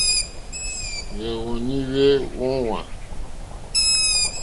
Hwɛ̂wɔ́nì hwé ówàŋ.